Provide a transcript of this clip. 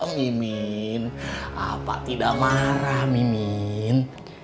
mimin apa tidak marah mimin